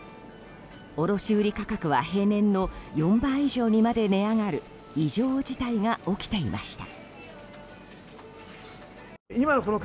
卸売価格は平年の４倍以上にまで値上がる異常事態が起きていました。